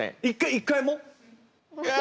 １回も？あ！